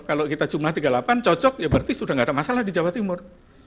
kalau kita jumlah tiga puluh delapan cocok ya berarti sudah tidak ada masalah di jawa timur